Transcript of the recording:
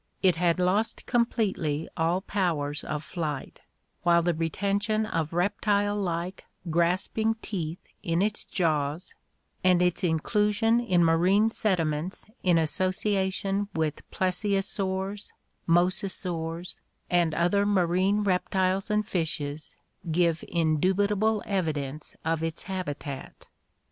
It had lost completely all powers of flight, while the retention of reptile like grasping teeth in its jaws and its in clusion in marine sediments in association with plesiosaurs, mos asaurs, and other marine reptiles and fishes give indubitable evidence of its habitat.